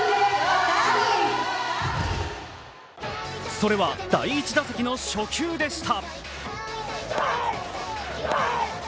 それは第１打席の初球でした。